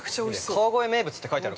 ◆川越名物って書いてある。